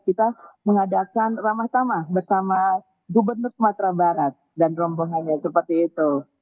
kita mengadakan ramah tamah bersama gubernur sumatera barat dan rombongannya seperti itu